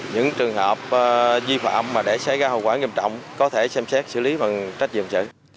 những trường hợp duy phạm mà để xảy ra hậu quả nghiêm trọng có thể xem xét xử lý bằng trách nhiệm sử